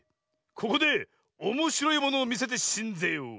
ここでおもしろいものをみせてしんぜよう。